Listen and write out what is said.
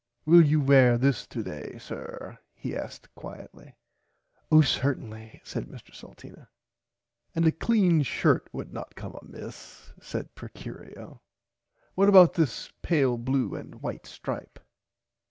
Will you wear this today sir he asked quietly. Oh certainly said Mr Salteena. And a clean shirt would not come amiss said Procurio what about this pale blue and white stripe.